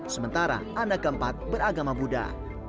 sementara anak keempat beragama buddha